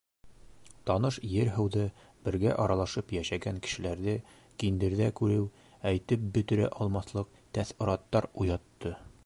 Таныш ер- һыуҙы, бергә аралашып йәшәгән кешеләрҙе киндерҙә күреү әйтеп бөтөрә алмаҫлыҡ тәьҫораттар уятты.